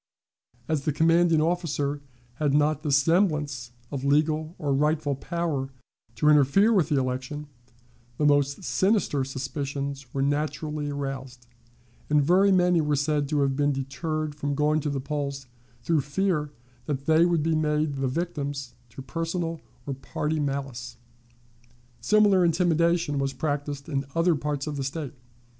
As the commanding officer had not the semblance of legal or rightful power to interfere with the election, the most sinister suspicions were naturally aroused, and very many were said to have been deterred from going to the polls through fear that they would be made the victims to personal or party malice. Similar intimidation was practiced in other parts of the State.